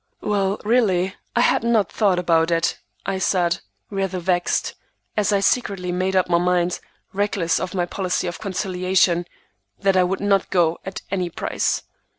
"Well, really, I had not thought about it," I said, rather vexed, as I secretly made up my mind, reckless of my policy of conciliation, that I would not go at any price.